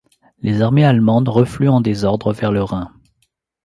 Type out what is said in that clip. Les armées allemandes refluent en désordre vers le Rhin.